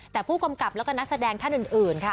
แต่ผู้กำกับแล้วก็นักแสดงท่านอื่นค่ะ